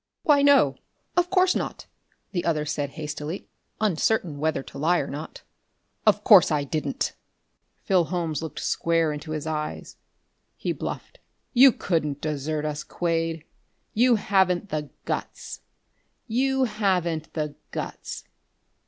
"Why no, of course not," the other said hastily, uncertain whether to lie or not. "Of course I didn't!" Phil Holmes looked square into his eyes. He bluffed. "You couldn't desert us, Quade. You haven't the guts. You haven't the guts."